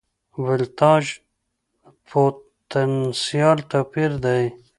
ولتاژ د پوتنسیال توپیر دی.